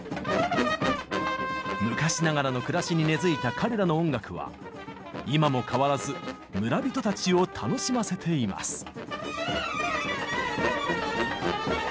昔ながらの暮らしに根づいた彼らの音楽は今も変わらず村人たちを楽しませています。